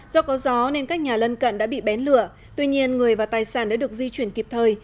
do có gió nên các nhà lân cận đã bị bén lửa tuy nhiên người và tài sản đã được di chuyển kịp thời